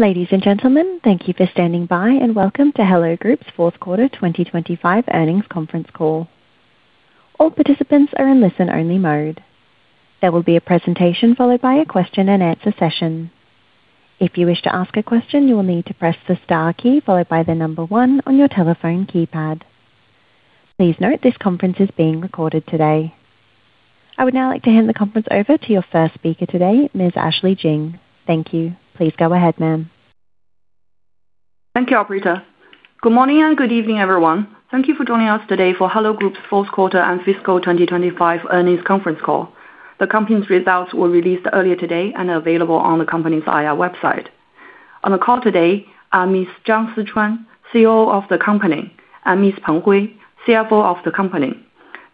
Ladies and gentlemen, thank you for standing by and welcome to Hello Group's fourth quarter 2025 earnings conference call. All participants are in listen-only mode. There will be a presentation followed by a question-and-answer session. If you wish to ask a question, you will need to press the star key followed by the number one on your telephone keypad. Please note this conference is being recorded today. I would now like to hand the conference over to your first speaker today, Ms. Ashley Jing. Thank you. Please go ahead, ma'am. Thank you, operator. Good morning and good evening, everyone. Thank you for joining us today for Hello Group's fourth quarter and fiscal 2025 earnings conference call. The company's results were released earlier today and available on the company's IR website. On the call today are Ms. Zhang Sichuan, CEO of the company, and Ms. Peng Hui, CFO of the company.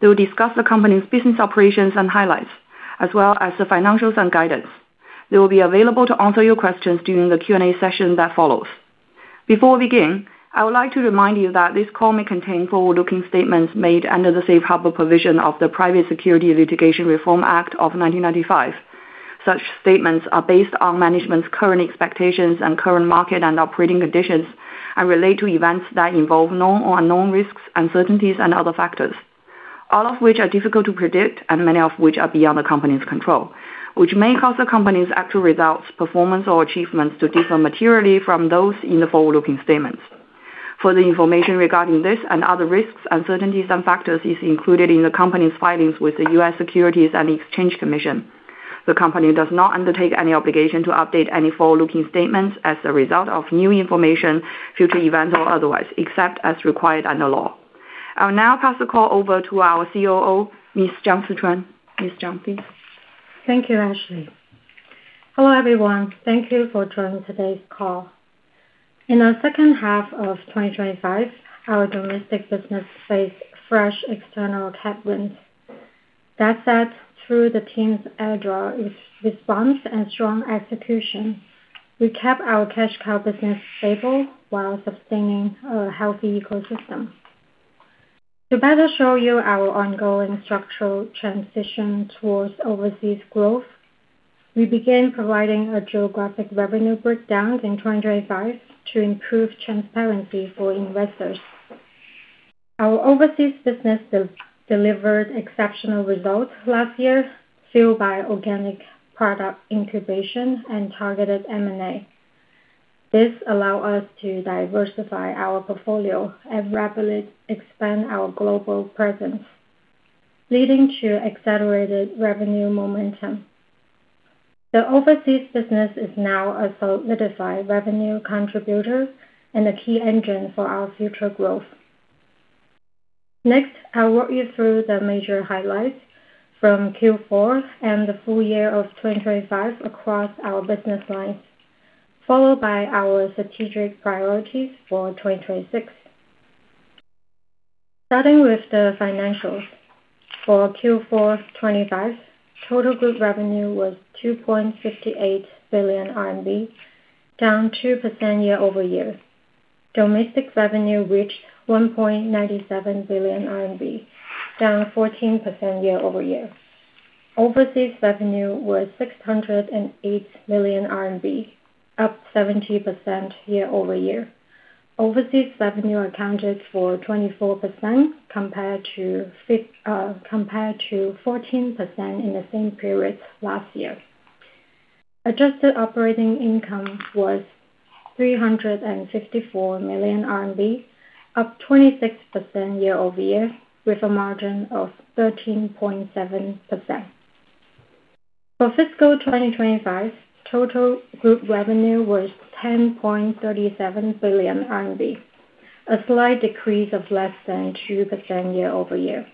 They will discuss the company's business operations and highlights as well as the financials and guidance. They will be available to answer your questions during the Q&A session that follows. Before we begin, I would like to remind you that this call may contain forward-looking statements made under the Safe Harbor provision of the Private Securities Litigation Reform Act of 1995. Such statements are based on management's current expectations and current market and operating conditions and relate to events that involve known or unknown risks, uncertainties, and other factors, all of which are difficult to predict and many of which are beyond the company's control, which may cause the company's actual results, performance, or achievements to differ materially from those in the forward-looking statements. Further information regarding this and other risks, uncertainties, and factors is included in the company's filings with the U.S. Securities and Exchange Commission. The company does not undertake any obligation to update any forward-looking statements as a result of new information, future events, or otherwise, except as required under law. I'll now pass the call over to our COO, Ms. Zhang Sichuan. Ms. Zhang, please. Thank you, Ashley. Hello, everyone. Thank you for joining today's call. In the second half of 2025, our domestic business faced fresh external headwinds. That said, through the team's agile response and strong execution, we kept our cash cow business stable while sustaining a healthy ecosystem. To better show you our ongoing structural transition towards overseas growth, we began providing a geographic revenue breakdown in 2025 to improve transparency for investors. Our overseas business delivered exceptional results last year, fueled by organic product incubation and targeted M&A. This allowed us to diversify our portfolio and rapidly expand our global presence, leading to accelerated revenue momentum. The overseas business is now a solidified revenue contributor and a key engine for our future growth. Next, I'll walk you through the major highlights from Q4 and the full year of 2025 across our business lines, followed by our strategic priorities for 2026. Starting with the financials. For Q4 2025, total group revenue was 2.58 billion RMB, down 2% year-over-year. Domestic revenue reached 1.97 billion RMB, down 14% year-over-year. Overseas revenue was 608 million RMB, up 70% year-over-year. Overseas revenue accounted for 24% compared to 14% in the same period last year. Adjusted operating income was 354 million RMB, up 26% year-over-year, with a margin of 13.7%. For fiscal 2025, total group revenue was 10.37 billion RMB, a slight decrease of less than 2% year-over-year.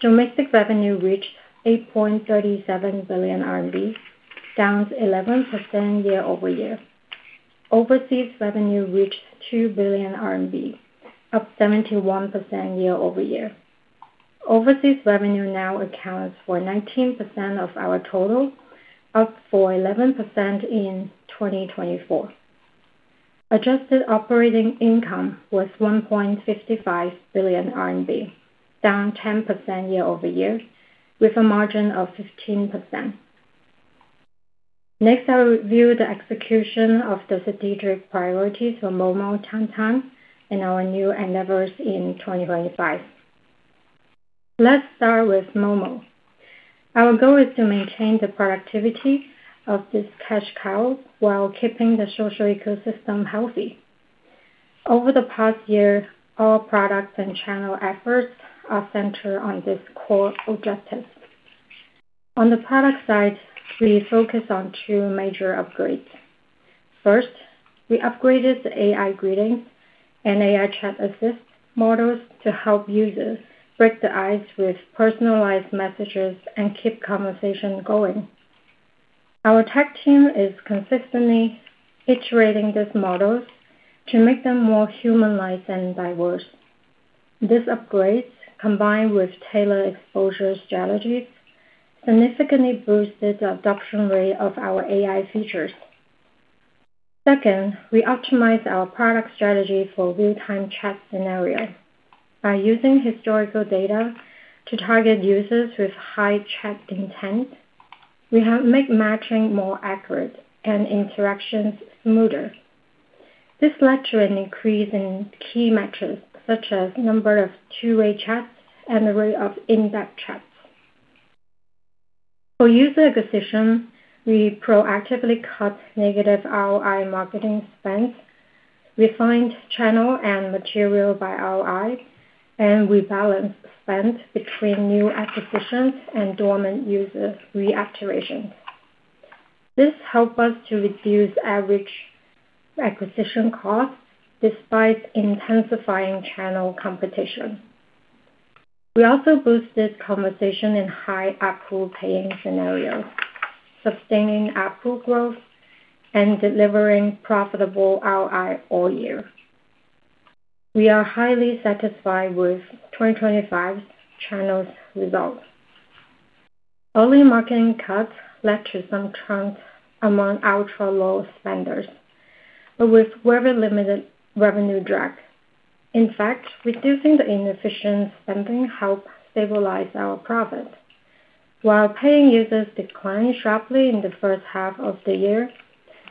Domestic revenue reached 8.37 billion RMB, down 11% year-over-year. Overseas revenue reached 2 billion RMB, up 71% year-over-year. Overseas revenue now accounts for 19% of our total, up from 11% in 2024. Adjusted operating income was 1.55 billion RMB, down 10% year-over-year with a margin of 15%. Next, I'll review the execution of the strategic priorities for Momo, Tantan, and our new endeavors in 2025. Let's start with Momo. Our goal is to maintain the productivity of this cash cow while keeping the social ecosystem healthy. Over the past year, all products and channel efforts are centered on this core objective. On the product side, we focus on two major upgrades. First, we upgraded the AI Greeting and AI Chat Assist models to help users break the ice with personalized messages and keep conversation going. Our tech team is consistently iterating these models to make them more human-like and diverse. These upgrades, combined with tailored exposure strategies, significantly boosted the adoption rate of our AI features. Second, we optimized our product strategy for real-time chat scenario. By using historical data to target users with high chat intent, we have made matching more accurate and interactions smoother. This led to an increase in key matches such as number of two-way chats and the rate of in-depth chats. For user acquisition, we proactively cut negative ROI marketing spends, refined channel and material by ROI, and we balanced spend between new acquisitions and dormant user reactivation. This helps us to reduce average acquisition costs despite intensifying channel competition. We also boosted conversation in high ARPU paying scenario, sustaining ARPU growth and delivering profitable ROI all year. We are highly satisfied with 2025 channels results. Early marketing cuts led to some churn among ultra low spenders, but with very limited revenue drag. In fact, reducing the inefficient spending help stabilize our profit. While paying users declined sharply in the first half of the year,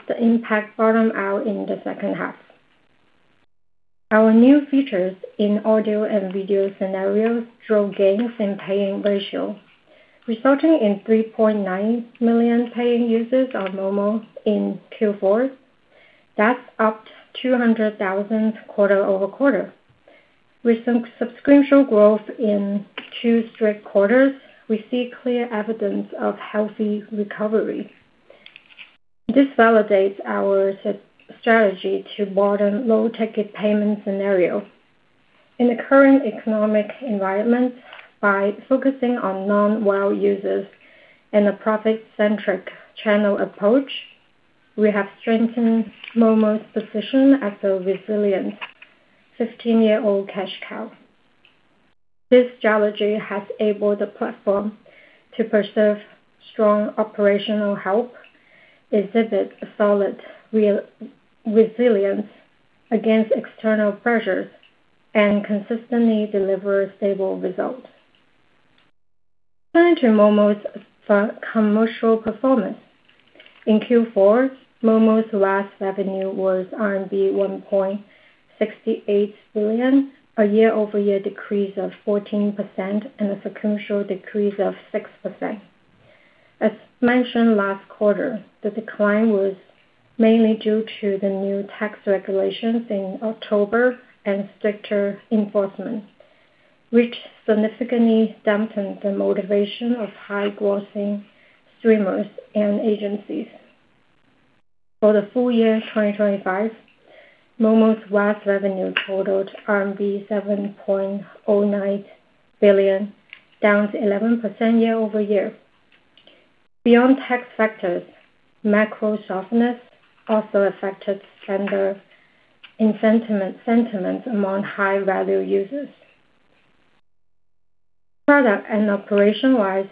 the impact bottomed out in the second half. Our new features in audio and video scenarios drove gains in paying ratio, resulting in 3.9 million paying users on Momo in Q4. That's up 200,000 quarter-over-quarter. With some sequential growth in two straight quarters, we see clear evidence of healthy recovery. This validates our strategy to broaden low ticket payment scenario. In the current economic environment, by focusing on non-WOW users and a profit-centric channel approach, we have strengthened Momo's position as a resilient 15-year-old cash cow. This strategy has enabled the platform to preserve strong operational health, exhibit a solid resilience against external pressures, and consistently deliver stable results. Turning to Momo's commercial performance. In Q4, Momo's net revenue was RMB 1.68 billion, a year-over-year decrease of 14% and a sequential decrease of 6%. As mentioned last quarter, the decline was mainly due to the new tax regulations in October and stricter enforcement, which significantly dampened the motivation of high-grossing streamers and agencies. For the full year 2025, Momo's net revenue totaled RMB 7.09 billion, down 11% year-over-year. Beyond tax factors, macro softness also affected spending sentiment among high-value users. Product and operation-wise,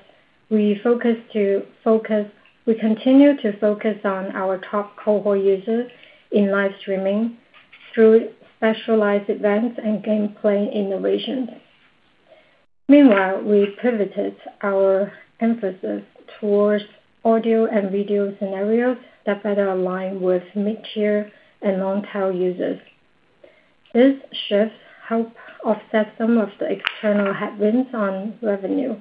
we focus. We continue to focus on our top cohort users in live streaming through specialized events and gameplay innovations. Meanwhile, we pivoted our emphasis towards audio and video scenarios that better align with mid-tier and long-tail users. This shift help offset some of the external headwinds on revenue.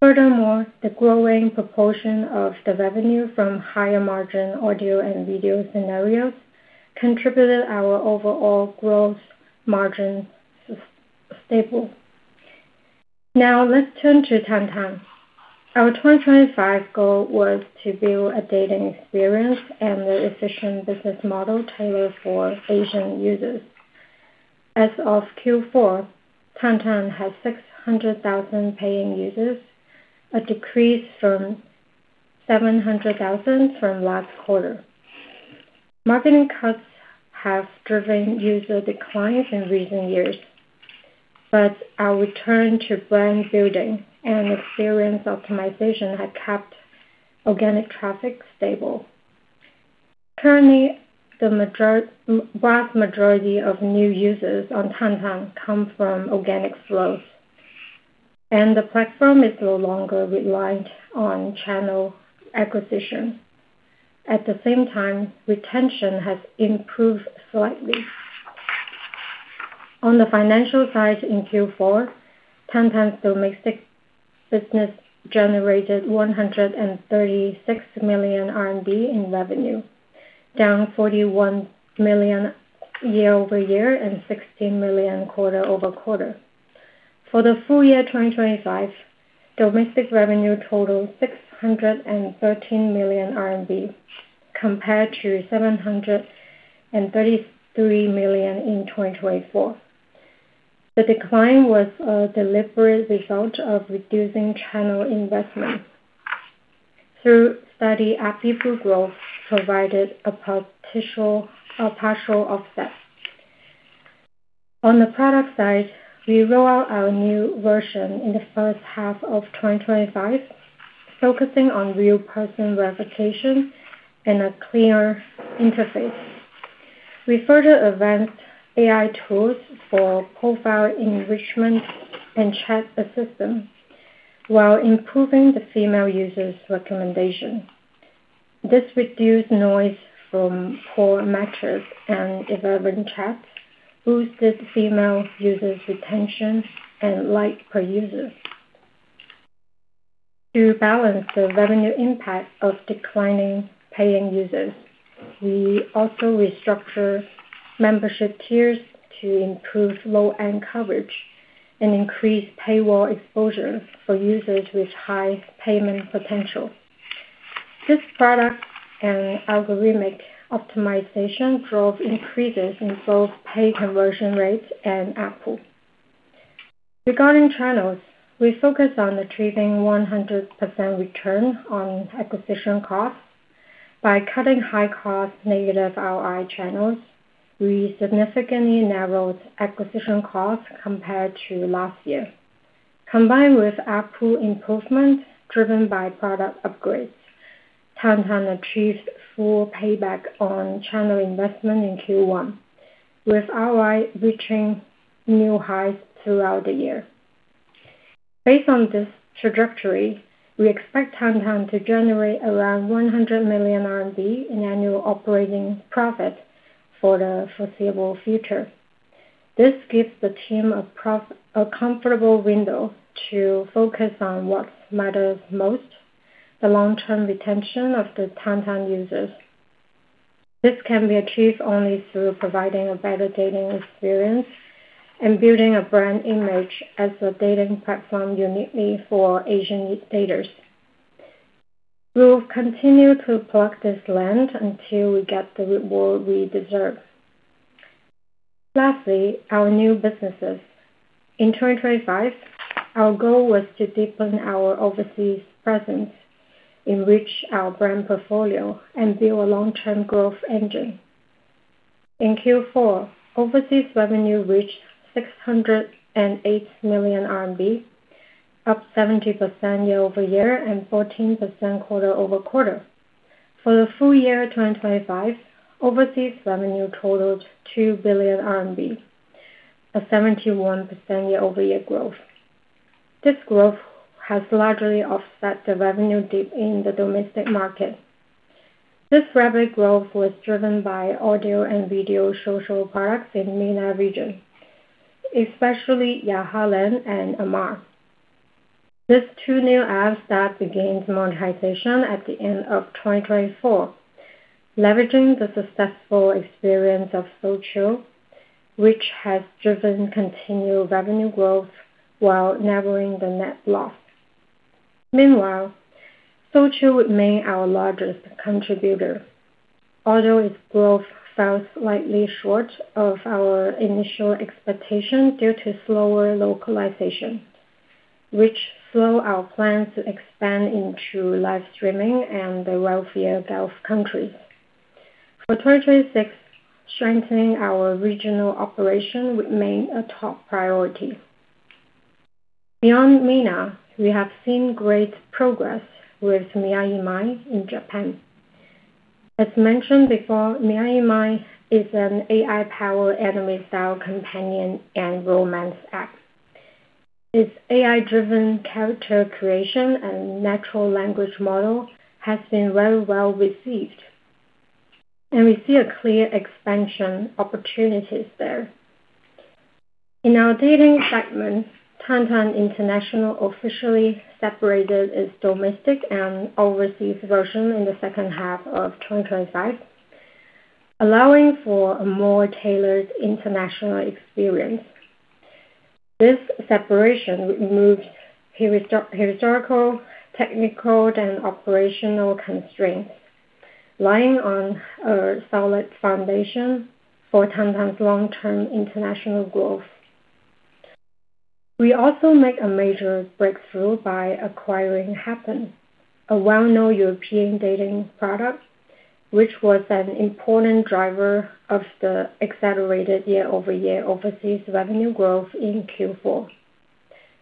Furthermore, the growing proportion of the revenue from higher margin audio and video scenarios contributed to our overall gross margins stability. Now let's turn to Tantan. Our 2025 goal was to build a dating experience and an efficient business model tailored for Asian users. As of Q4, Tantan has 600,000 paying users, a decrease from 700,000 from last quarter. Marketing cuts have driven user declines in recent years, but our return to brand building and experience optimization have kept organic traffic stable. Currently, vast majority of new users on Tantan come from organic flows, and the platform is no longer reliant on channel acquisition. At the same time, retention has improved slightly. On the financial side in Q4, Tantan's domestic business generated 136 million RMB in revenue, down 41 million year-over-year and 16 million quarter-over-quarter. For the full year 2025, domestic revenue totaled 613 million RMB, compared to 733 million in 2024. The decline was a deliberate result of reducing channel investments. Through steady, active growth provided a partial offset. On the product side, we roll out our new version in the first half of 2025. Focusing on real person verification and a clear interface. We further advanced AI tools for profile enrichment and chat assistance while improving the female users recommendation. This reduced noise from poor matches and irrelevant chats, boosted female users retention and like per user. To balance the revenue impact of declining paying users, we also restructured membership tiers to improve low-end coverage and increase paywall exposure for users with high payment potential. This product and algorithmic optimization drove increases in both pay conversion rates and ARPU. Regarding channels, we focus on achieving 100% return on acquisition costs. By cutting high cost negative ROI channels, we significantly narrowed acquisition costs compared to last year. Combined with ARPU improvements driven by product upgrades, Tantan achieved full payback on channel investment in Q1, with ROI reaching new highs throughout the year. Based on this trajectory, we expect Tantan to generate around 100 million RMB in annual operating profit for the foreseeable future. This gives the team a comfortable window to focus on what matters most, the long-term retention of the Tantan users. This can be achieved only through providing a better dating experience and building a brand image as a dating platform uniquely for Asian daters. We will continue to pluck this land until we get the reward we deserve. Lastly, our new businesses. In 2025, our goal was to deepen our overseas presence, enrich our brand portfolio, and build a long-term growth engine. In Q4, overseas revenue reached 608 million RMB, up 70% year-over-year and 14% quarter-over-quarter. For the full year 2025, overseas revenue totaled 2 billion RMB, a 71% year-over-year growth. This growth has largely offset the revenue dip in the domestic market. This rapid growth was driven by audio and video social products in MENA region, especially Yaahlan and AMAR. These two new apps that begins monetization at the end of 2024, leveraging the successful experience of Soulchill, which has driven continued revenue growth while narrowing the net loss. Meanwhile, Soulchill remained our largest contributor, although its growth fell slightly short of our initial expectations due to slower localization, which slowed our plans to expand into live streaming and the wealthier Gulf countries. For 2026, strengthening our regional operation remained a top priority. Beyond MENA, we have seen great progress with MiraiMind in Japan. As mentioned before, MiraiMind is an AI-powered anime style companion and romance app. Its AI-driven character creation and natural language model has been very well received, and we see a clear expansion opportunities there. In our dating segment, Tantan International officially separated its domestic and overseas version in the second half of 2025, allowing for a more tailored international experience. This separation removed historical, technical, and operational constraints, laying a solid foundation for Tantan's long-term international growth. We also made a major breakthrough by acquiring happn, a well-known European dating product, which was an important driver of the accelerated year-over-year overseas revenue growth in Q4.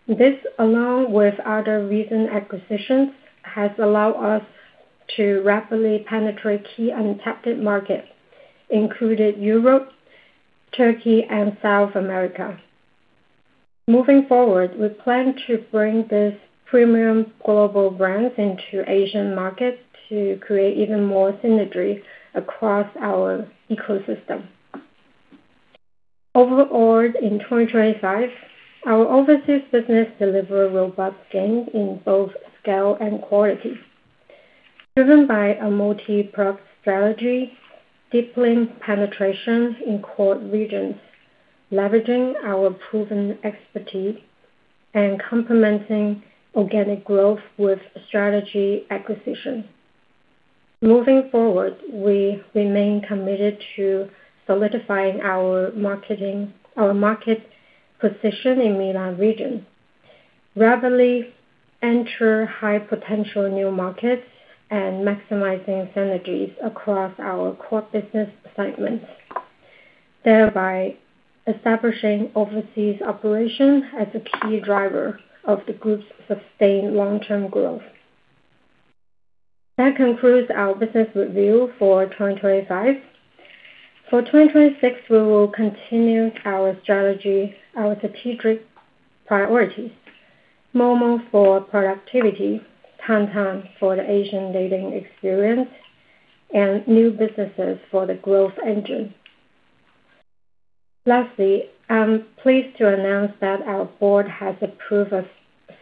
This, along with other recent acquisitions, has allowed us to rapidly penetrate key untapped markets, including Europe, Turkey, and South America. Moving forward, we plan to bring these premium global brands into Asian markets to create even more synergies across our ecosystem. Overall, in 2025, our overseas business delivered robust gains in both scale and quality, driven by a multi-product strategy, deepening penetration in core regions, leveraging our proven expertise, and complementing organic growth with strategic acquisition. Moving forward, we remain committed to solidifying our market position in MENA region, rapidly enter high potential new markets, and maximizing synergies across our core business segments, thereby establishing overseas operation as a key driver of the group's sustained long-term growth. That concludes our business review for 2025. For 2026, we will continue our strategy, our strategic priorities, Momo for productivity, Tantan for the Asian dating experience, and new businesses for the growth engine. Lastly, I'm pleased to announce that our board has approved a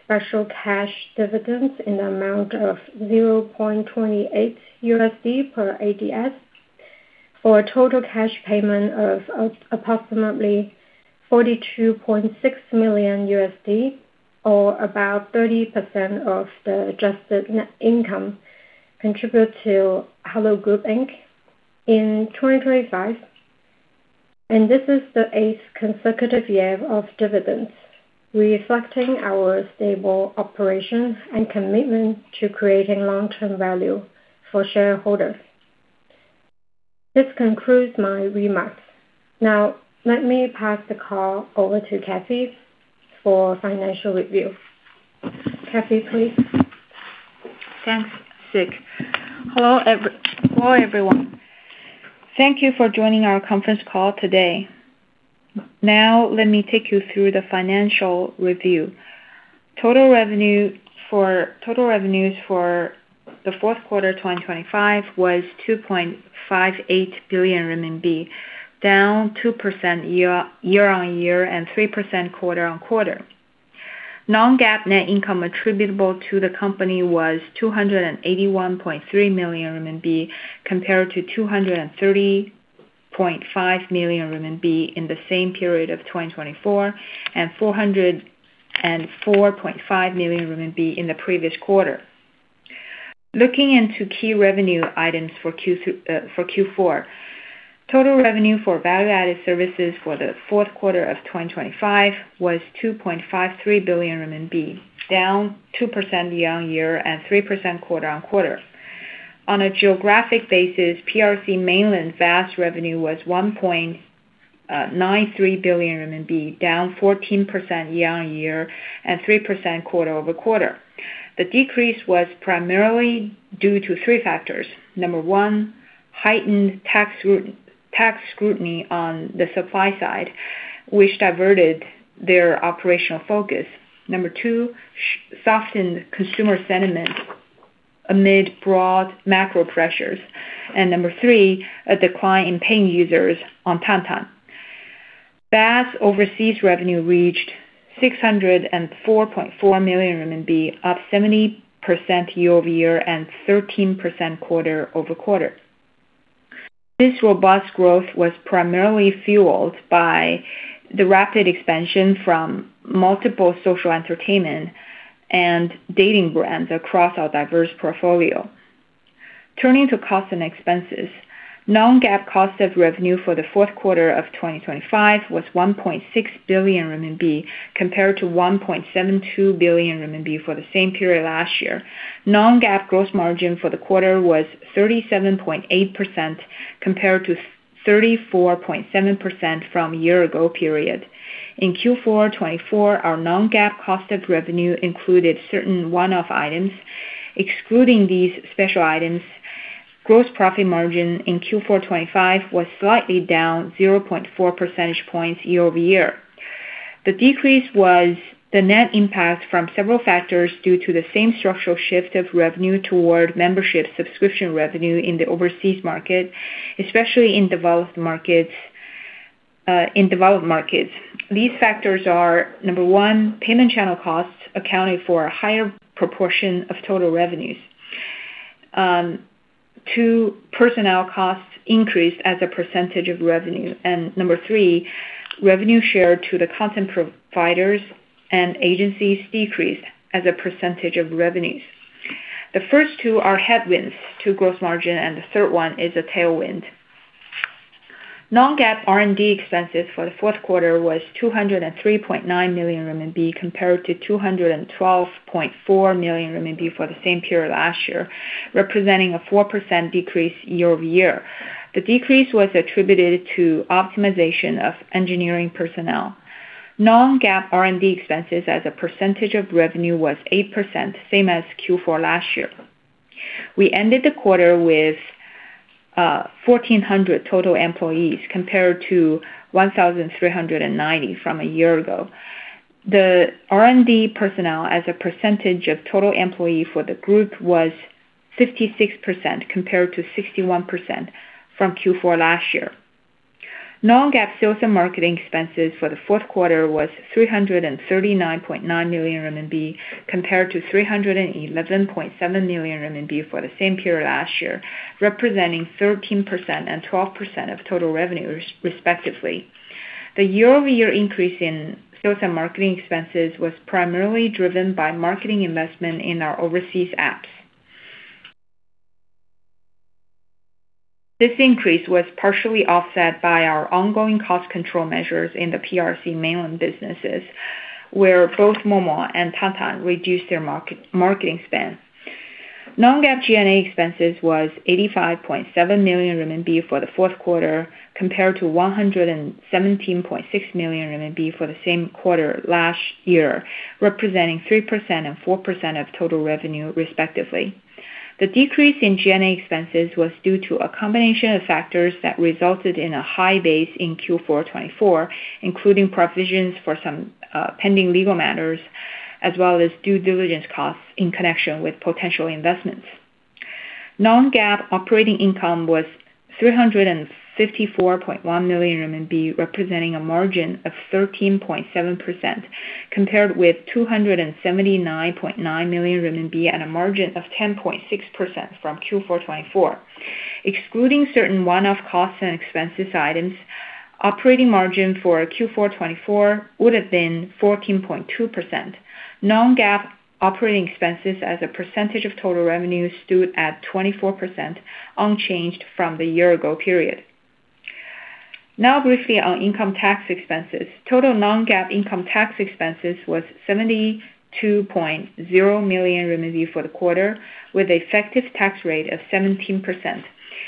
special cash dividend in the amount of $0.28 per ADS for a total cash payment of approximately $42.6 million or about 30% of the Adjusted net income contributed to Hello Group Inc. in 2025. This is the eighth consecutive year of dividends, reflecting our stable operations and commitment to creating long-term value for shareholders. This concludes my remarks. Now, let me pass the call over to Cathy for financial review. Cathy, please. Thanks, Sic. Hello, everyone. Thank you for joining our conference call today. Now let me take you through the financial review. Total revenues for the fourth quarter 2025 was 2.58 billion RMB, down 2% year-on-year and 3% quarter-on-quarter. Non-GAAP net income attributable to the company was 281.3 million RMB compared to 230.5 million RMB in the same period of 2024, and 404.5 million RMB in the previous quarter. Looking into key revenue items for Q4. Total revenue for value-added services for the fourth quarter of 2025 was 2.53 billion RMB, down 2% year-on-year and 3% quarter-on-quarter. On a geographic basis, PRC mainland VAS revenue was 1.93 billion RMB, down 14% year-on-year and 3% quarter-over-quarter. The decrease was primarily due to three factors. Number one, heightened tax scrutiny on the supply side, which diverted their operational focus. Number two, softened consumer sentiment amid broad macro pressures. Number three, a decline in paying users on Tantan. VAS overseas revenue reached 604.4 million RMB, up 70% year-on-year and 13% quarter-over-quarter. This robust growth was primarily fueled by the rapid expansion from multiple social entertainment and dating brands across our diverse portfolio. Turning to costs and expenses. Non-GAAP cost of revenue for the fourth quarter of 2025 was 1.6 billion RMB compared to 1.72 billion RMB for the same period last year. Non-GAAP gross margin for the quarter was 37.8% compared to 34.7% from a year ago period. In Q4 2024, our non-GAAP cost of revenue included certain one-off items. Excluding these special items, gross profit margin in Q4 2025 was slightly down 0.4 percentage points year-over-year. The decrease was the net impact from several factors due to the same structural shift of revenue toward membership subscription revenue in the overseas market, especially in developed markets. These factors are, number one, payment channel costs accounted for a higher proportion of total revenues. Two, personnel costs increased as a percentage of revenue. Number three, revenue share to the content providers and agencies decreased as a percentage of revenues. The first two are headwinds to gross margin, and the third one is a tailwind. Non-GAAP R&D expenses for the fourth quarter was 203.9 million RMB compared to 212.4 million RMB for the same period last year, representing a 4% decrease year-over-year. The decrease was attributed to optimization of engineering personnel. Non-GAAP R&D expenses as a percentage of revenue was 8%, same as Q4 last year. We ended the quarter with 1,400 total employees compared to 1,390 from a year ago. The R&D personnel as a percentage of total employee for the group was 56% compared to 61% from Q4 last year. Non-GAAP sales and marketing expenses for the fourth quarter was 339.9 million RMB compared to 311.7 million RMB for the same period last year, representing 13% and 12% of total revenues respectively. The year-over-year increase in sales and marketing expenses was primarily driven by marketing investment in our overseas apps. This increase was partially offset by our ongoing cost control measures in the PRC mainland businesses, where both Momo and Tantan reduced their marketing spend. Non-GAAP G&A expenses was 85.7 million RMB for the fourth quarter, compared to 117.6 million RMB for the same quarter last year, representing 3% and 4% of total revenue, respectively. The decrease in G&A expenses was due to a combination of factors that resulted in a high base in Q4 2024, including provisions for some pending legal matters, as well as due diligence costs in connection with potential investments. Non-GAAP operating income was 354.1 million RMB, representing a margin of 13.7%, compared with 279.9 million RMB at a margin of 10.6% from Q4 2024. Excluding certain one-off costs and expenses items, operating margin for Q4 2024 would have been 14.2%. Non-GAAP operating expenses as a percentage of total revenue stood at 24%, unchanged from the year ago period. Now briefly on income tax expenses. Total non-GAAP income tax expenses was 72.0 million renminbi for the quarter, with effective tax rate of 17%.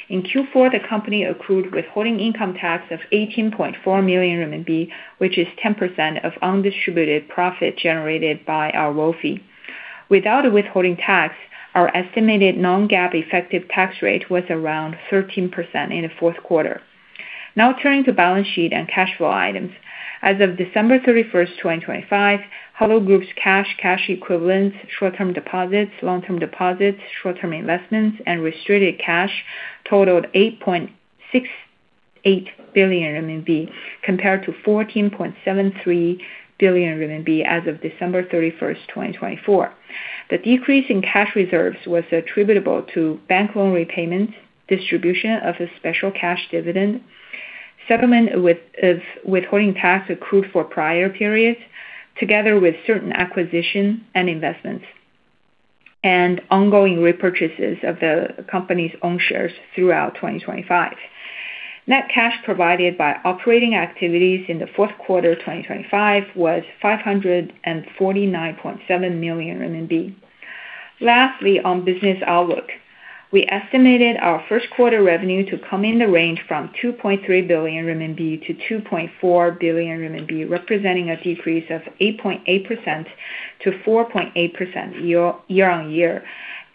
In Q4, the company accrued withholding income tax of 18.4 million RMB, which is 10% of undistributed profit generated by our WFOE. Without a withholding tax, our estimated non-GAAP effective tax rate was around 13% in the fourth quarter. Now turning to balance sheet and cash flow items. As of December 31st 2025, Hello Group's cash equivalents, short-term deposits, long-term deposits, short-term investments, and restricted cash totaled 8.68 billion RMB, compared to 14.73 billion RMB as of December 31st 2024. The decrease in cash reserves was attributable to bank loan repayments, distribution of a special cash dividend, settlement with withholding tax accrued for prior periods, together with certain acquisitions and investments, and ongoing repurchases of the company's own shares throughout 2025. Net cash provided by operating activities in the fourth quarter 2025 was 549.7 million RMB. Lastly, on business outlook. We estimate our first quarter revenue to come in the range from 2.3 billion RMB to 2.4 billion RMB, representing a decrease of 8.8%-4.8% year-over-year.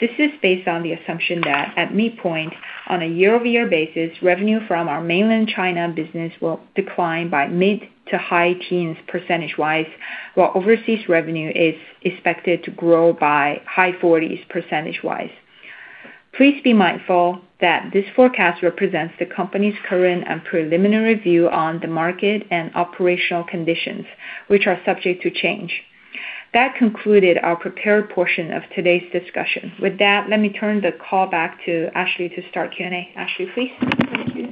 This is based on the assumption that at midpoint, on a year-over-year basis, revenue from our Mainland China business will decline by mid- to high-teens percentage-wise, while overseas revenue is expected to grow by high-forties percentage-wise. Please be mindful that this forecast represents the company's current and preliminary view on the market and operational conditions, which are subject to change. That concluded our prepared portion of today's discussion. With that, let me turn the call back to Ashley to start Q&A. Ashley, please. Thank you.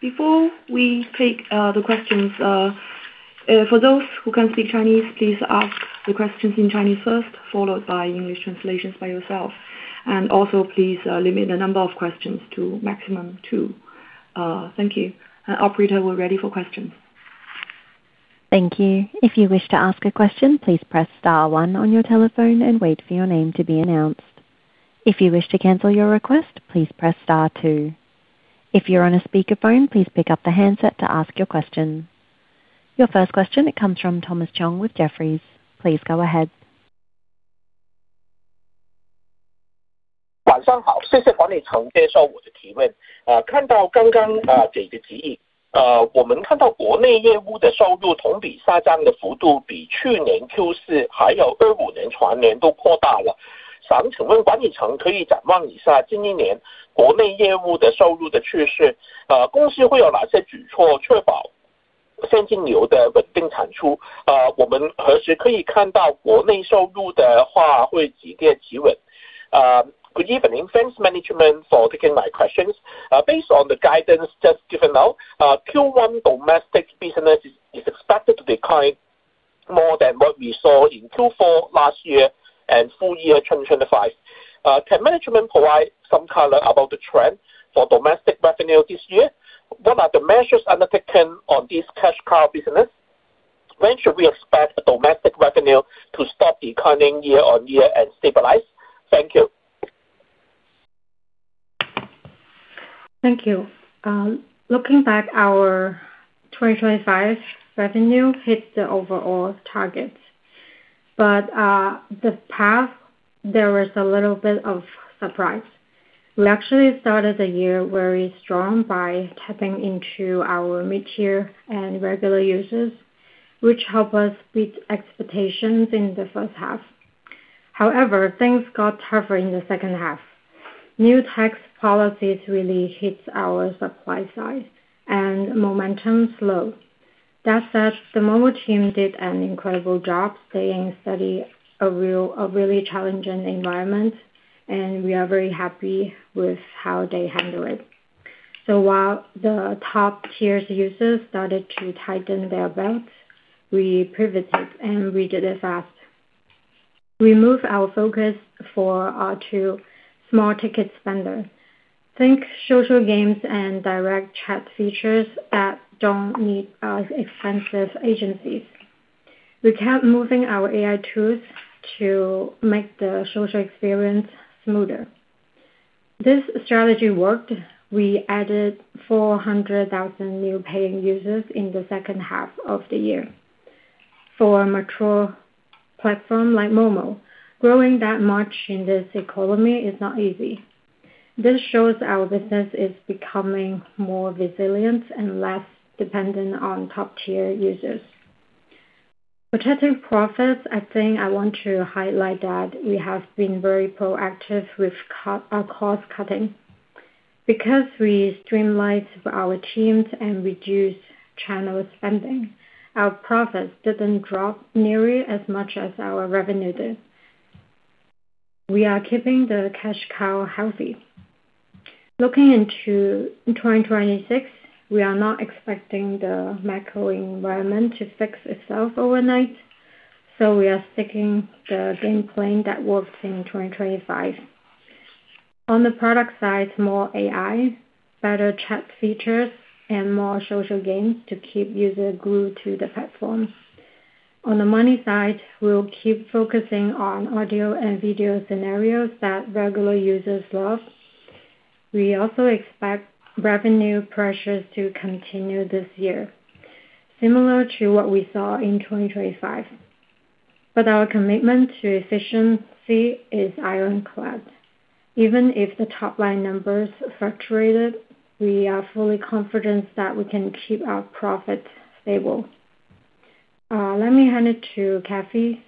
Before we take the questions, for those who can speak Chinese, please ask the questions in Chinese first, followed by English translations by yourself. Also please, limit the number of questions to maximum two. Thank you. Operator, we're ready for questions. Thank you. If you wish to ask a question, please press star one on your telephone and wait for your name to be announced. If you wish to cancel your request, please press star two. If you're on a speakerphone, please pick up the handset to ask your question. Your first question comes from Thomas Chong with Jefferies. Please go ahead. Good evening. Thanks, management, for taking my questions. Based on the guidance just given out, Q1 domestic business is expected to decline more than what we saw in Q4 last year and full year 2025. Can management provide some color about the trend for domestic revenue this year? What are the measures undertaken on this cash cow business? When should we expect the domestic revenue to stop declining year-on-year and stabilize? Thank you. Thank you. Looking back, our 2025 revenue hit the overall targets. This past, there was a little bit of surprise. We actually started the year very strong by tapping into our mid-tier and regular users, which helped us beat expectations in the first half. However, things got tougher in the second half. New tax policies really hits our supply side and momentum slowed. That said, the mobile team did an incredible job staying steady, a really challenging environment, and we are very happy with how they handle it. While the top tiers users started to tighten their belts, we pivoted, and we did it fast. We moved our focus to small ticket spender. Think social games and direct chat features that don't need as expensive agencies. We kept moving our AI tools to make the social experience smoother. This strategy worked. We added 400,000 new paying users in the second half of the year. For a mature platform like Momo, growing that much in this economy is not easy. This shows our business is becoming more resilient and less dependent on top-tier users. Protecting profits, I think I want to highlight that we have been very proactive with cost-cutting. Because we streamlined our teams and reduced channel spending, our profits didn't drop nearly as much as our revenue did. We are keeping the cash cow healthy. Looking into 2026, we are not expecting the macro environment to fix itself overnight, so we are sticking the game plan that worked in 2025. On the product side, more AI, better chat features, and more social games to keep users glued to the platform. On the money side, we'll keep focusing on audio and video scenarios that regular users love. We also expect revenue pressures to continue this year, similar to what we saw in 2025. Our commitment to efficiency is ironclad. Even if the top-line numbers fluctuated, we are fully confident that we can keep our profit stable. Let me hand it to Cathy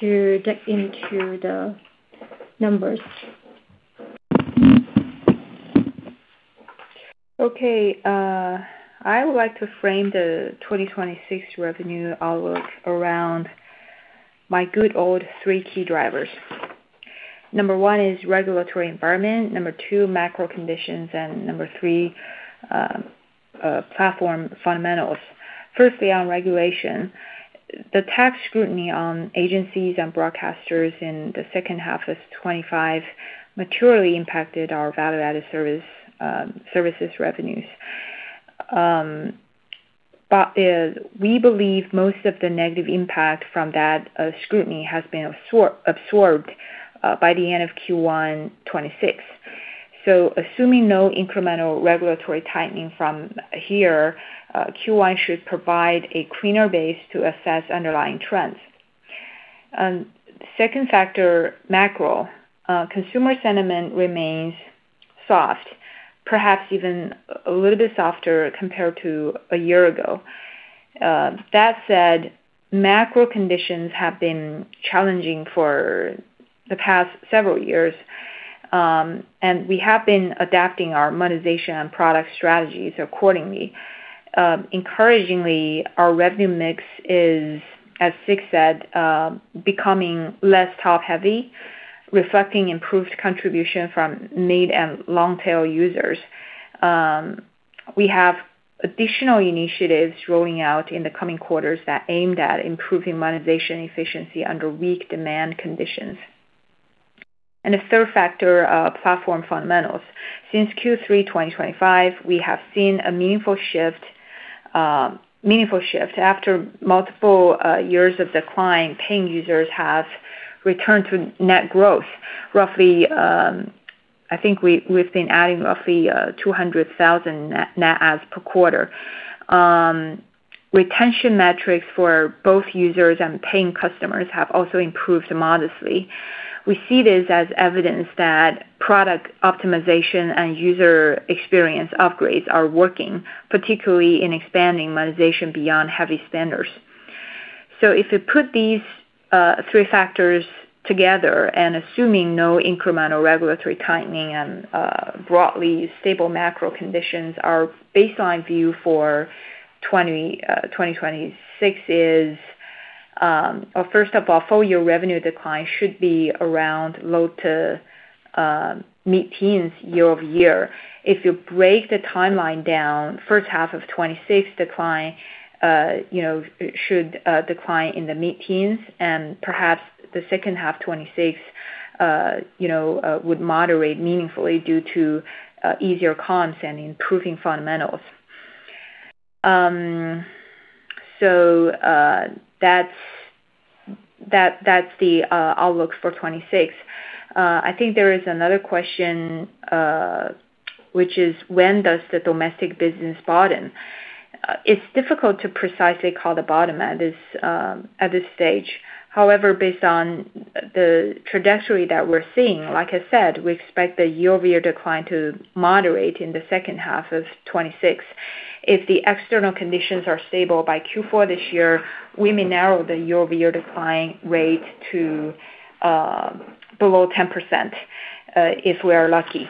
to get into the numbers. Okay. I would like to frame the 2026 revenue outlook around my good old three key drivers. Number one is regulatory environment, number two, macro conditions, and number three, platform fundamentals. Firstly, on regulation, the tech scrutiny on agencies and broadcasters in the second half of 2025 materially impacted our value-added services revenues. We believe most of the negative impact from that scrutiny has been absorbed by the end of Q1 2026. Assuming no incremental regulatory tightening from here, Q1 should provide a cleaner base to assess underlying trends. Second factor, macro. Consumer sentiment remains soft, perhaps even a little bit softer compared to a year ago. That said, macro conditions have been challenging for the past several years, and we have been adapting our monetization and product strategies accordingly. Encouragingly, our revenue mix is, as Sic said, becoming less top-heavy, reflecting improved contribution from mid and long-tail users. We have additional initiatives rolling out in the coming quarters that aimed at improving monetization efficiency under weak demand conditions. The third factor, platform fundamentals. Since Q3 2025, we have seen a meaningful shift. After multiple years of decline, paying users have returned to net growth. Roughly, I think we've been adding roughly 200,000 net adds per quarter. Retention metrics for both users and paying customers have also improved modestly. We see this as evidence that product optimization and user experience upgrades are working, particularly in expanding monetization beyond heavy spenders. If you put these three factors together and assuming no incremental regulatory tightening and broadly stable macro conditions, our baseline view for 2026 is. First of all, full year revenue decline should be around low- to mid-teens% year-over-year. If you break the timeline down, first half of 2026 decline, you know should decline in the mid-teens%, and perhaps the second half 2026 you know would moderate meaningfully due to easier comps and improving fundamentals. That's the outlook for 2026. I think there is another question which is when does the domestic business bottom? It's difficult to precisely call the bottom at this stage. However, based on the trajectory that we're seeing, like I said, we expect the year-over-year decline to moderate in the second half of 2026. If the external conditions are stable by Q4 this year, we may narrow the year-over-year decline rate to below 10%, if we are lucky.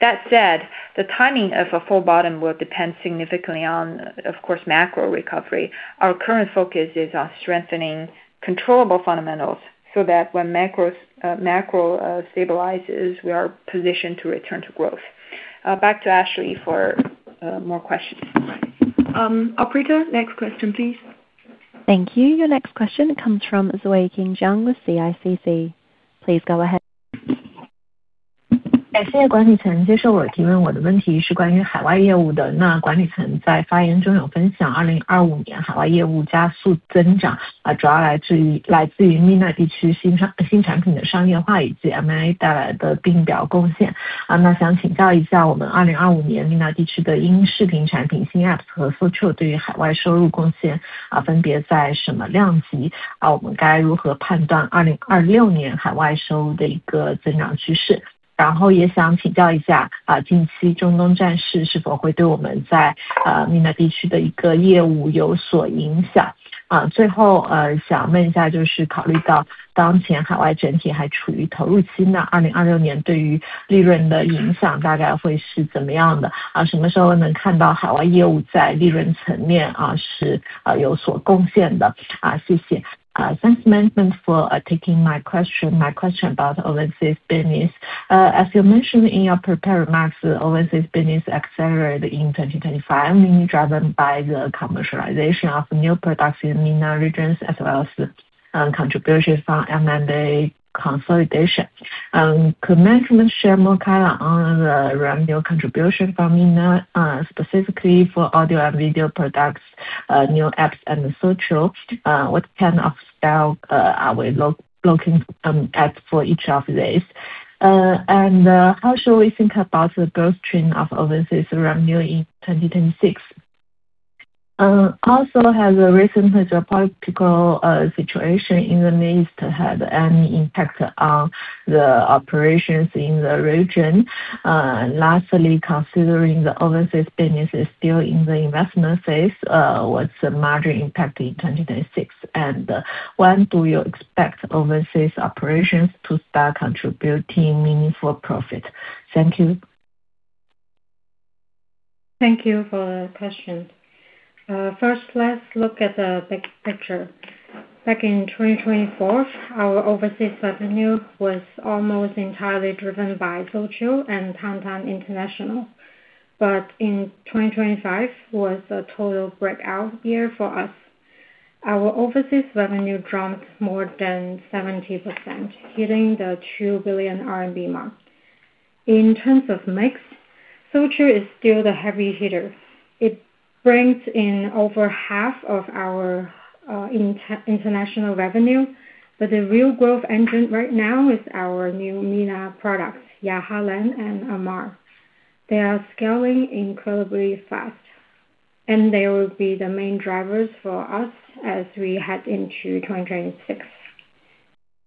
That said, the timing of a full bottom will depend significantly on, of course, macro recovery. Our current focus is on strengthening controllable fundamentals so that when macro stabilizes, we are positioned to return to growth. Back to Ashley for more questions. Operator, next question, please. Thank you. Your next question comes from Xueqing Zhang with CICC. Please go ahead. Thanks, management, for taking my question. My question is about the overseas business. As you mentioned in your prepared remarks, overseas business accelerated in 2025, mainly driven by the commercialization of new products in MENA regions, as well as contribution from M&A consolidation. Could management share more color on the revenue contribution from MENA, specifically for audio and video products, new apps and social? What kind of scale are we looking at for each of these? And how should we think about the growth trend of overseas revenue in 2026? Also, has the recent geopolitical situation in the Middle East had any impact on the operations in the region? Lastly, considering the overseas business is still in the investment phase, what's the margin impact in 2026? When do you expect overseas operations to start contributing meaningful profit? Thank you. Thank you for the question. First, let's look at the big picture. Back in 2024, our overseas revenue was almost entirely driven by Soulchill and Tantan International. In 2025 was a total breakout year for us. Our overseas revenue grew more than 70%, hitting the 2 billion RMB mark. In terms of mix, Soulchill is still the heavy hitter. It brings in over half of our international revenue. The real growth engine right now is our new MENA products, Yaahlan and AMAR. They are scaling incredibly fast, and they will be the main drivers for us as we head into 2026.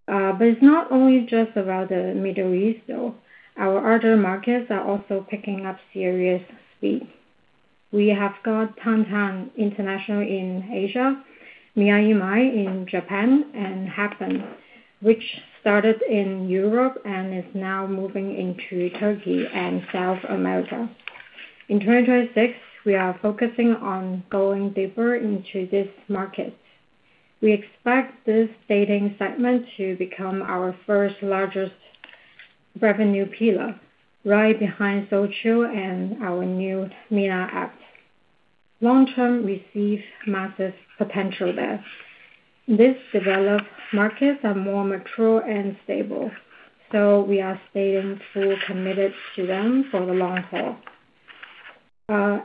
It's not only just about the Middle East, though. Our other markets are also picking up serious speed. We have got Tantan International in Asia, MiraiMind in Japan, and happn, which started in Europe and is now moving into Turkey and South America. In 2026, we are focusing on going deeper into these markets. We expect this dating segment to become our first largest revenue pillar right behind Soulchill and our new MENA apps. Long term, we see massive potential there. These developed markets are more mature and stable, so we are staying fully committed to them for the long haul.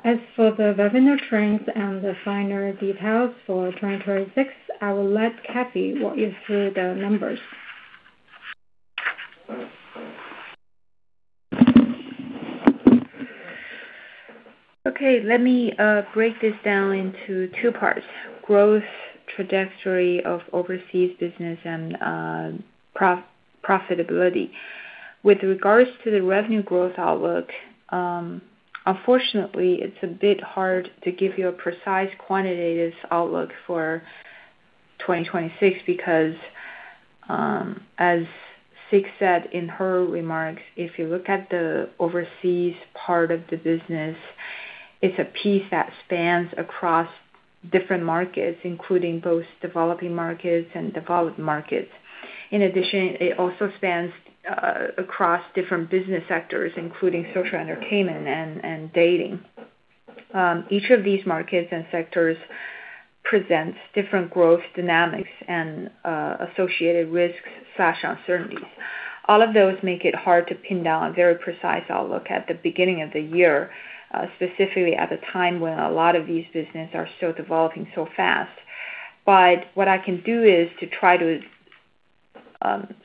As for the revenue trends and the finer details for 2026, I will let Cathy walk you through the numbers. Okay, let me break this down into two parts, growth trajectory of overseas business and profitability. With regards to the revenue growth outlook, unfortunately, it's a bit hard to give you a precise quantitative outlook for 2026 because, as Sic said in her remarks, if you look at the overseas part of the business, it's a piece that spans across different markets, including both developing markets and developed markets. In addition, it also spans across different business sectors, including social entertainment and dating. Each of these markets and sectors presents different growth dynamics and associated risks slash uncertainties. All of those make it hard to pin down a very precise outlook at the beginning of the year, specifically at the time when a lot of these business are still developing so fast. What I can do is to try to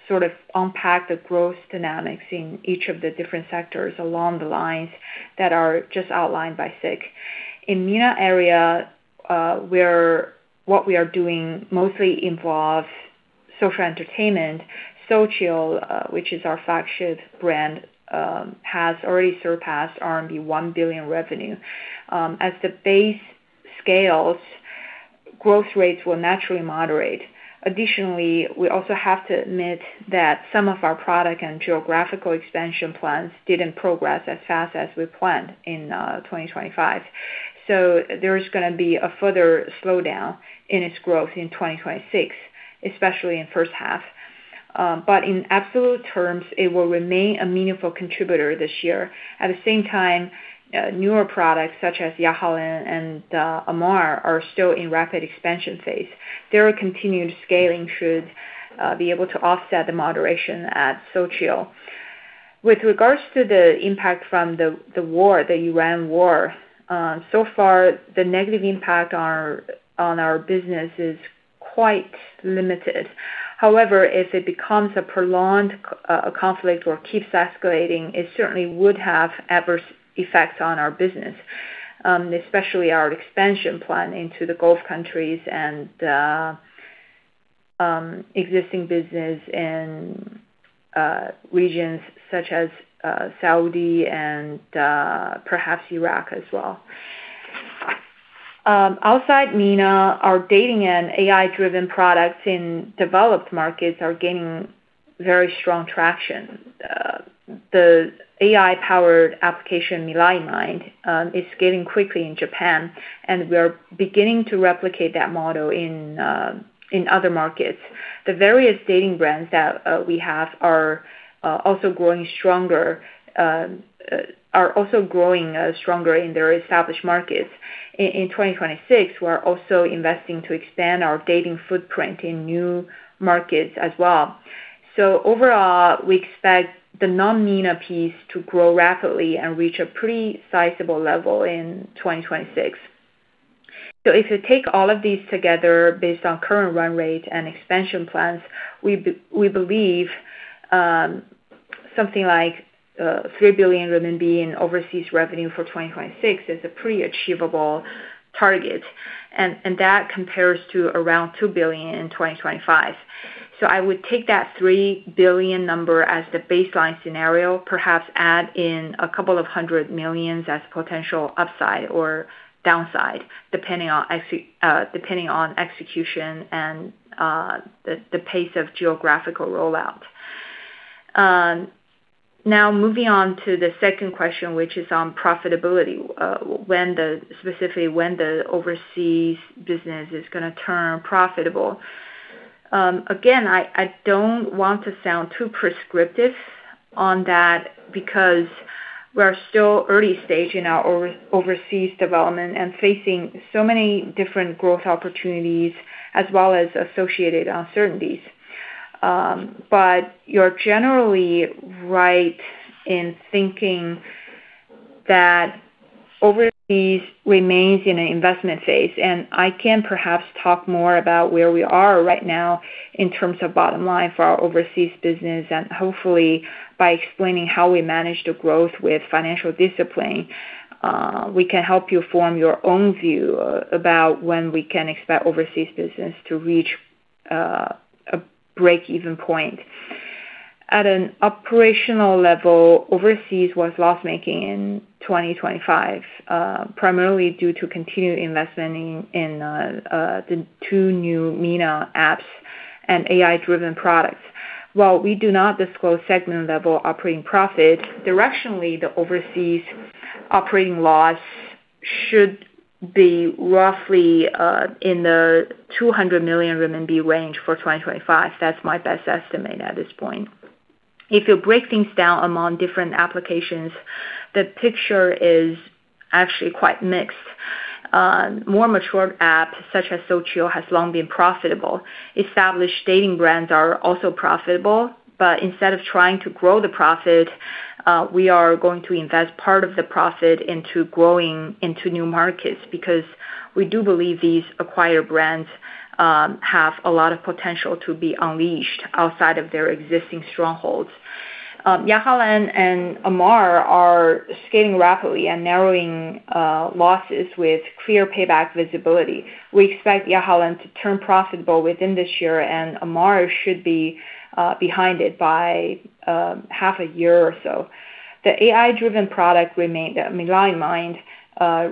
sort of unpack the growth dynamics in each of the different sectors along the lines that are just outlined by Sic. In MENA area, what we are doing mostly involves social entertainment. Soulchill, which is our flagship brand, has already surpassed RMB 1 billion revenue. As the base scales, growth rates will naturally moderate. Additionally, we also have to admit that some of our product and geographical expansion plans didn't progress as fast as we planned in 2025. There is gonna be a further slowdown in its growth in 2026, especially in first half. In absolute terms, it will remain a meaningful contributor this year. At the same time, newer products such as Yaahlan and AMAR are still in rapid expansion phase. Their continued scaling should be able to offset the moderation at Soulchill. With regards to the impact from the war, the Iran war, so far, the negative impact on our business is quite limited. However, if it becomes a prolonged conflict or keeps escalating, it certainly would have adverse effects on our business, especially our expansion plan into the Gulf countries and existing business in regions such as Saudi and perhaps Iraq as well. Outside MENA, our dating and AI-driven products in developed markets are gaining very strong traction. The AI-powered application, MiraiMind, is scaling quickly in Japan, and we are beginning to replicate that model in other markets. The various dating brands that we have are also growing stronger in their established markets. In 2026, we're also investing to expand our dating footprint in new markets as well. Overall, we expect the non-MENA piece to grow rapidly and reach a pretty sizable level in 2026. If you take all of these together based on current run rate and expansion plans, we believe something like 3 billion RMB in overseas revenue for 2026 is a pretty achievable target. That compares to around 2 billion in 2025. I would take that 3 billion number as the baseline scenario, perhaps add in a couple of hundred million as potential upside or downside, depending on execution and the pace of geographical rollout. Now moving on to the second question, which is on profitability, specifically when the overseas business is gonna turn profitable. Again, I don't want to sound too prescriptive on that because we are still early stage in our overseas development and facing so many different growth opportunities as well as associated uncertainties. But you're generally right in thinking that overseas remains in an investment phase. I can perhaps talk more about where we are right now in terms of bottom line for our overseas business, and hopefully by explaining how we manage the growth with financial discipline, we can help you form your own view about when we can expect overseas business to reach a break-even point. At an operational level, overseas was loss-making in 2025, primarily due to continued investment in the two new MENA apps and AI-driven products. While we do not disclose segment-level operating profit, directionally, the overseas operating loss should be roughly in the 200 million RMB range for 2025. That's my best estimate at this point. If you break things down among different applications, the picture is actually quite mixed. More mature apps such as Soulchill has long been profitable. Established dating brands are also profitable, but instead of trying to grow the profit, we are going to invest part of the profit into growing into new markets because we do believe these acquired brands have a lot of potential to be unleashed outside of their existing strongholds. Yaahlan and AMAR are scaling rapidly and narrowing losses with clear payback visibility. We expect Yaahlan to turn profitable within this year, and AMAR should be behind it by half a year or so. The AI-driven product, the MiraiMind,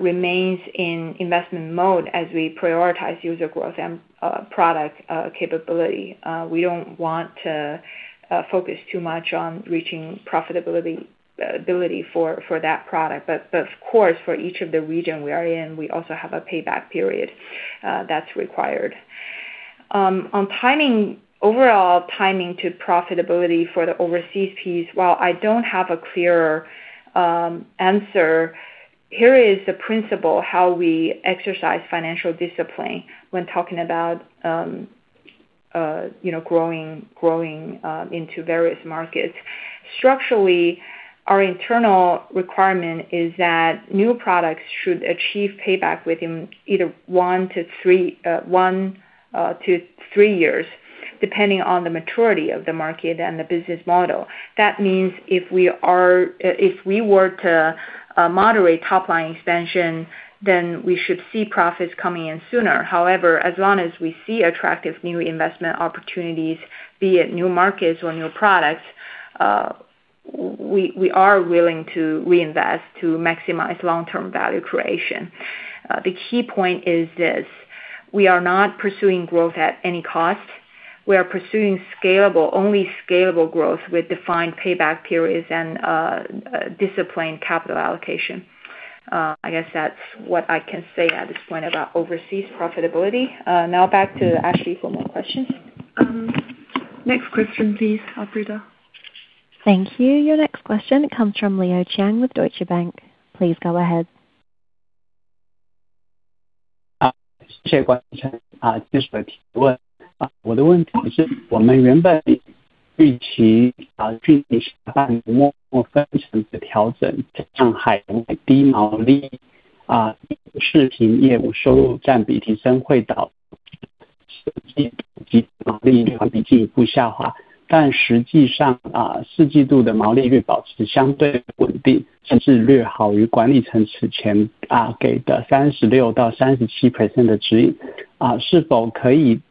remains in investment mode as we prioritize user growth and product capability. We don't want to focus too much on reaching profitability ability for that product. Of course, for each of the region we are in, we also have a payback period that's required. On timing, overall timing to profitability for the overseas piece, while I don't have a clear answer, here is the principle how we exercise financial discipline when talking about you know growing into various markets. Structurally, our internal requirement is that new products should achieve payback within either one to three years, depending on the maturity of the market and the business model. That means if we were to moderate top-line expansion, then we should see profits coming in sooner. However, as long as we see attractive new investment opportunities, be it new markets or new products, we are willing to reinvest to maximize long-term value creation. The key point is this: we are not pursuing growth at any cost. We are pursuing scalable, only scalable growth with defined payback periods and disciplined capital allocation. I guess that's what I can say at this point about overseas profitability. Now back to Ashley for more questions. Next question please, operator. Thank you. Your next question comes from Leo Chiang with Deutsche Bank. Please go ahead.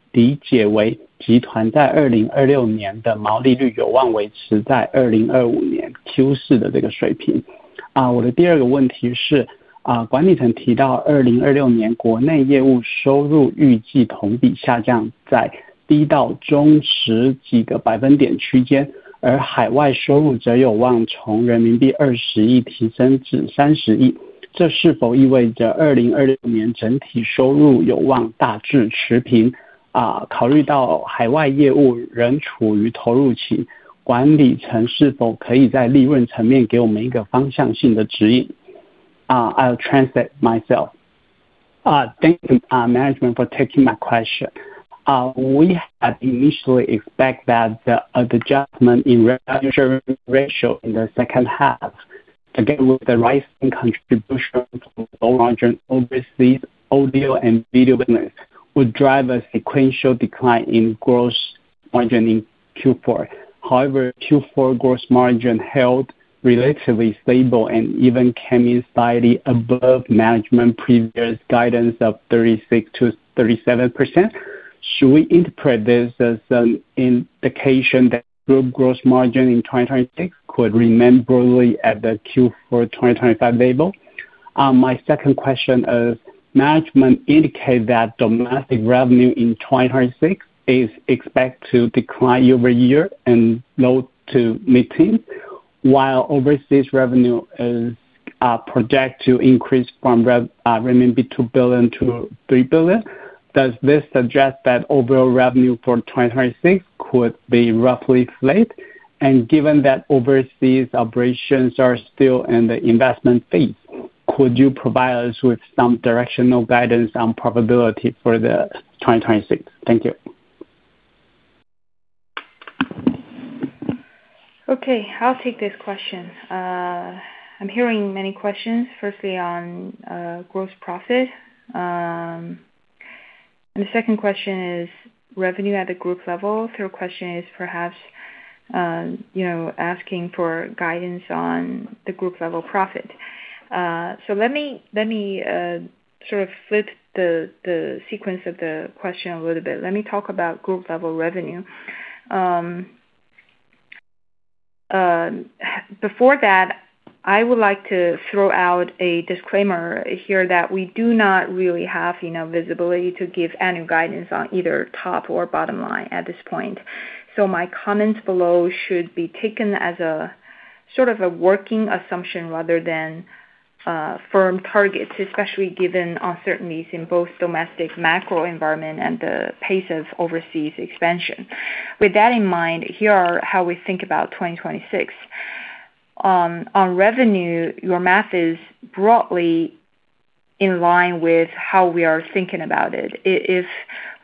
谢谢问啊，这次的提问。我的问题是，我们原本预期下半年Momo分层的调整，像海外低毛利视频业务收入占比提升会导到利润率进一步下滑，但实际上，Q4的毛利率保持相对稳定，甚至略好于管理层此前给的36到37%的指引。是否可以理解为集团在2026年的毛利率有望维持在2025年Q4的这个水平？我的第二个问题是，管理层提到2026年国内业务收入预计同比下降，在低到中十几个百分点区间，而海外收入则有望从人民币二十亿提升至三十亿。这是否意味着2026年整体收入有望大致持平？考虑到海外业务仍处于投入期，管理层是否可以在利润层面给我们一个方向性的指引？I translate myself. Thank you, management for taking my question. We had initially expect that the gross margin in the second half, again, with the rising contribution from low-margin overseas audio and video business would drive a sequential decline in gross margin in Q4. However, Q4 gross margin held relatively stable and even came slightly above management previous guidance of 36%-37%. Should we interpret this as an indication that Group gross margin in 2026 could remain broadly at the Q4 2025 level? My second question is, management indicate that domestic revenue in 2026 is expect to decline year-over-year in low-to-mid-teens%, while overseas revenue is project to increase from 2 billion-3 billion renminbi. Does this suggest that overall revenue for 2026 could be roughly flat? Given that overseas operations are still in the investment phase, could you provide us with some directional guidance on profitability for the 2026? Thank you. Okay. I'll take this question. I'm hearing many questions, firstly on gross profit. And the second question is revenue at the group level. Third question is perhaps, you know, asking for guidance on the group level profit. Let me sort of flip the sequence of the question a little bit. Let me talk about group level revenue. Before that, I would like to throw out a disclaimer here that we do not really have, you know, visibility to give any guidance on either top or bottom line at this point. My comments below should be taken as a sort of a working assumption rather than firm targets, especially given uncertainties in both domestic macro environment and the pace of overseas expansion. With that in mind, here are how we think about 2026. On revenue, your math is broadly in line with how we are thinking about it. If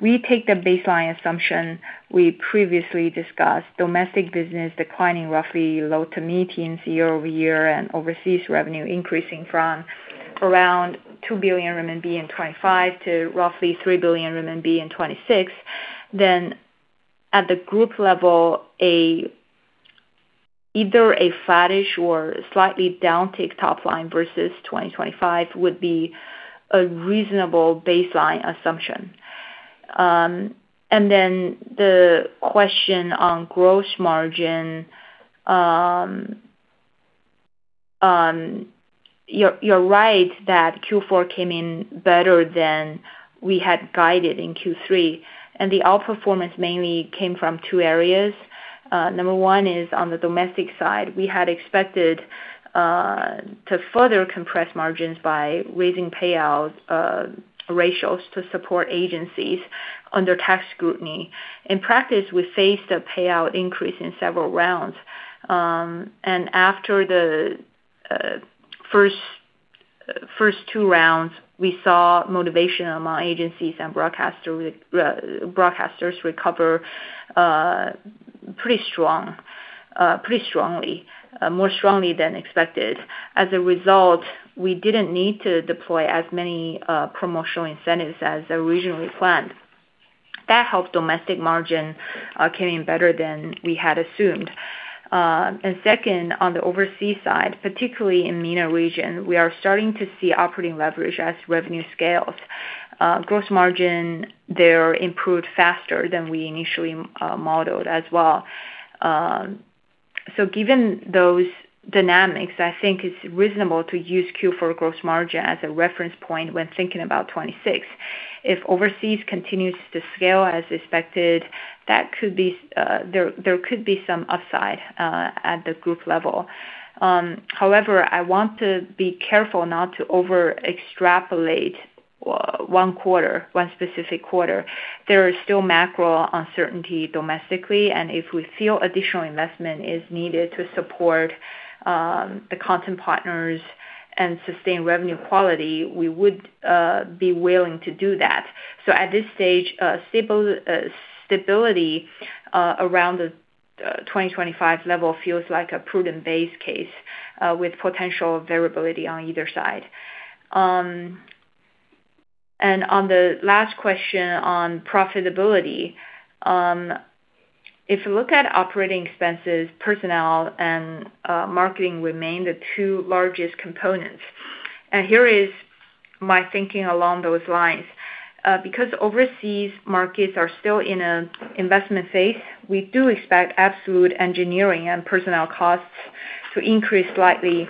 we take the baseline assumption we previously discussed, domestic business declining roughly low-to-mid-teens year-over-year and overseas revenue increasing from around 2 billion RMB in 2025 to roughly 3 billion RMB in 2026, then at the group level, either a flattish or slightly downtick top line versus 2025 would be a reasonable baseline assumption. The question on gross margin. You're right that Q4 came in better than we had guided in Q3, and the outperformance mainly came from two areas. Number one is on the domestic side, we had expected to further compress margins by raising payout ratios to support agencies under tax scrutiny. In practice, we faced a payout increase in several rounds. After the first two rounds, we saw motivation among agencies and broadcasters recover more strongly than expected. As a result, we didn't need to deploy as many promotional incentives as originally planned. That helped domestic margin come in better than we had assumed. Second, on the overseas side, particularly in the MENA region, we are starting to see operating leverage as revenue scales. Gross margin there improved faster than we initially modeled as well. Given those dynamics, I think it's reasonable to use Q4 gross margin as a reference point when thinking about 2026. If overseas continues to scale as expected, there could be some upside at the group level. However, I want to be careful not to overextrapolate one quarter, one specific quarter. There is still macro uncertainty domestically, and if we feel additional investment is needed to support the content partners and sustain revenue quality, we would be willing to do that. At this stage, stability around the 25% level feels like a prudent base case with potential variability on either side. On the last question on profitability, if you look at operating expenses, personnel and marketing remain the two largest components. Here is my thinking along those lines. Because overseas markets are still in an investment phase, we do expect absolute engineering and personnel costs to increase slightly.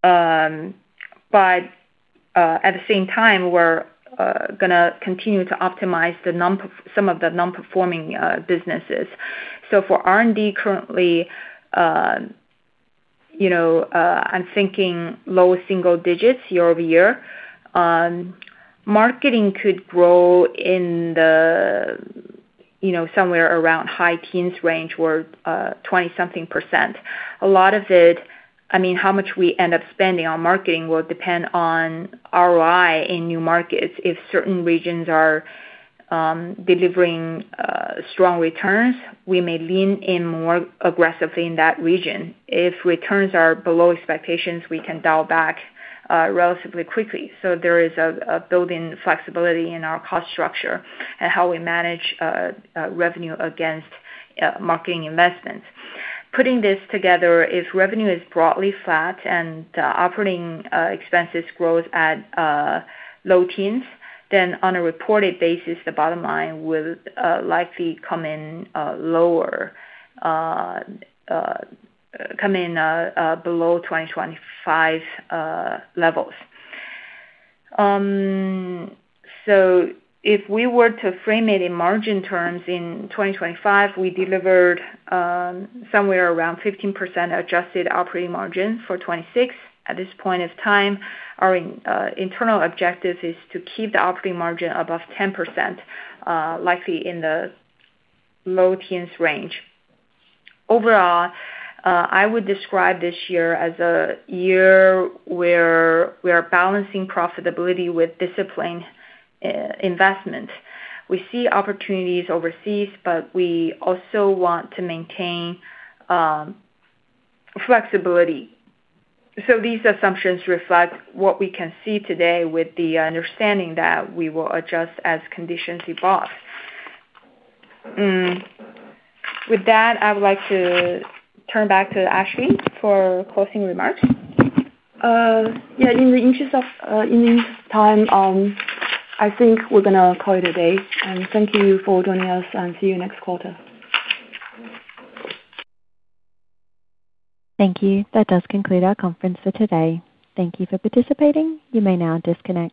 But at the same time, we're gonna continue to optimize some of the non-performing businesses. For R&D, currently, I'm thinking low single digits year-over-year. Marketing could grow somewhere around high teens range or 20-something%. A lot of it, I mean, how much we end up spending on marketing will depend on ROI in new markets. If certain regions are delivering strong returns, we may lean in more aggressively in that region. If returns are below expectations, we can dial back relatively quickly. There is built-in flexibility in our cost structure and how we manage revenue against marketing investments. Putting this together, if revenue is broadly flat and operating expenses grows at low teens, then on a reported basis, the bottom line will likely come in below 2025 levels. If we were to frame it in margin terms, in 2025, we delivered somewhere around 15% adjusted operating margin for 2026. At this point of time, our internal objective is to keep the operating margin above 10%, likely in the low teens range. Overall, I would describe this year as a year where we are balancing profitability with disciplined investment. We see opportunities overseas, but we also want to maintain flexibility. These assumptions reflect what we can see today with the understanding that we will adjust as conditions evolve. With that, I would like to turn back to Ashley for closing remarks. Yeah, in the interest of time, I think we're gonna call it a day. Thank you for joining us, and see you next quarter. Thank you. That does conclude our conference for today. Thank you for participating. You may now disconnect.